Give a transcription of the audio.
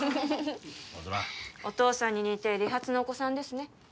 青空お父さんに似て利発なお子さんですね